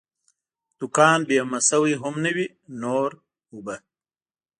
دوکان بیمه شوی هم نه وي، نور اوبه.